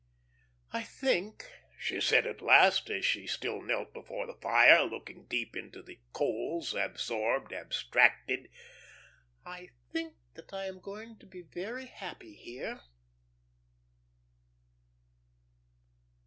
"I think," she said at last, as she still knelt before the fire, looking deep into the coals, absorbed, abstracted, "I think that I am going to be very happy here."